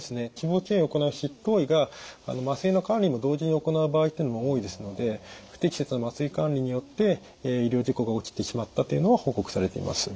脂肪吸引を行う執刀医が麻酔の管理も同時に行う場合というのも多いですので不適切な麻酔管理によって医療事故が起きてしまったというのは報告されています。